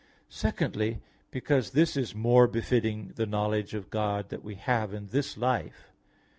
Secondly, because this is more befitting the knowledge of God that we have in this life.